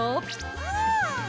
うん！